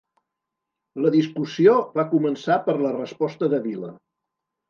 La discussió va començar per la resposta de Vila